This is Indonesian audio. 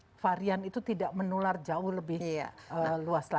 karena varian itu tidak menular jauh lebih luas lagi